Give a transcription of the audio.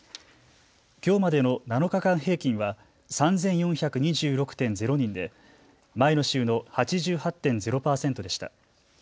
きょうまでの７日間平均は３４２６．０人で前の週の８８．０％でした。